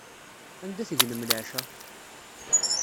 Anda tegnem leɛca?